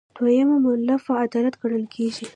دویمه مولفه عدالت ګڼل کیږي.